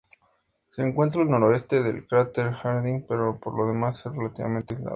Se encuentra al noreste del cráter Harding, pero por lo demás está relativamente aislado.